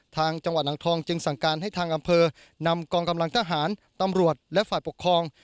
ทางจังหวัดอ่างทองจึงสั่งการให้ทางอำเภอนำกองกำลังทหารตำรวจและฝ่ายปกครอง